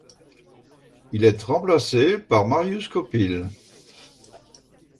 Il est remplacé par Marius Copil.